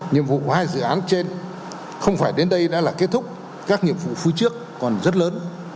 nhiệm vụ của hai dự án trên không phải đến đây đã là kết thúc các nghiệp vụ phía trước còn rất lớn